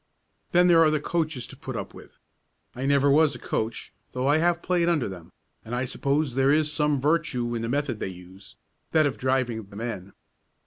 Then there are the coaches to put up with. I never was a coach, though I have played under them, and I suppose there is some virtue in the method they use that of driving the men.